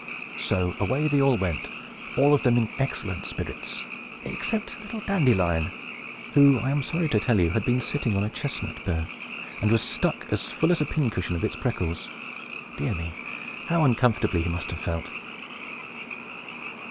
So away they went; all of them in excellent spirits, except little Dandelion, who, I am sorry to tell you, had been sitting on a chestnut bur, and was stuck as full as a pincushion of its prickles. Dear me, how uncomfortably he must have felt!